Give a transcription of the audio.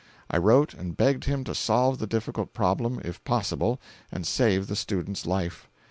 I wrote and begged him to solve the difficult problem if possible and save the student's life.